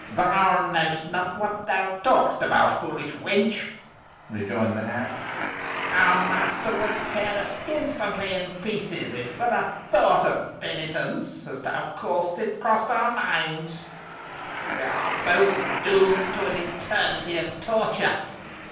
"Thou know'st not what thou talk'st about, foolish wench," rejoined the hag. "Our master would tear us instantly in pieces if but a thought of penitence, as thou callest it, crossed our minds. We are both doomed to an eternity of torture.